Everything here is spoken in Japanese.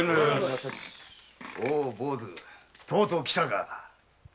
坊主とうとう来たか。